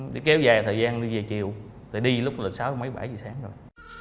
để kéo dài thời gian đi về chiều thì đi lúc là sáu mấy bảy giờ sáng rồi